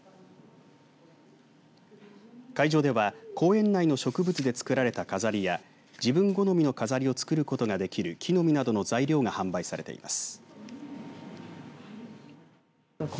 会場では公園内の植物で作られた飾りや自分好みの飾りを作ることができる木の実などの材料が販売されています。